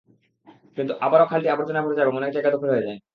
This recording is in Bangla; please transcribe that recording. কিন্তু আবারও খালটি আবর্জনায় ভরে যায় এবং অনেক জায়গা দখল হয়ে যায়।